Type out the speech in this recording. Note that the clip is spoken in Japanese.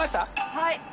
・はい。